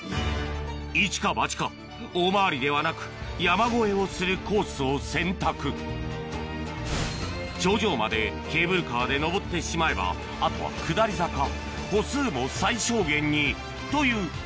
イチかバチか大回りではなく山越えをするコースを選択頂上までケーブルカーで上ってしまえばあとは下り坂歩数も最小限にという慎太郎の直感を信じて